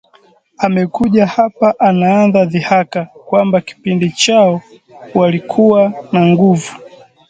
Amekuja hapa anaanza dhihaka kwamba kipindi chao walikuwa na nguvu